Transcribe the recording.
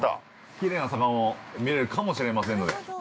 ◆きれいなサバも見れるかもしれませんので。